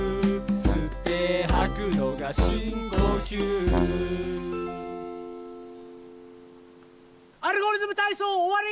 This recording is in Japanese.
「すってはくのがしんこきゅう」「アルゴリズムたいそう」おわり！